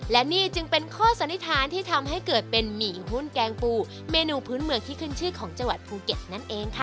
และนี่จึงเป็นข้อสันนิษฐานที่ทำให้เกิดเป็นหมี่หุ้นแกงปูเมนูพื้นเมืองที่ขึ้นชื่อของจังหวัดภูเก็ตนั่นเองค่ะ